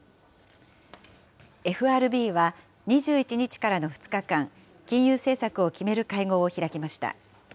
ＦＲＢは２１日からの２日間、金融政策を決める会合を開きました。